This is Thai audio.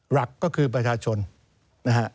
หลักก็คือประชาชนนะฮะ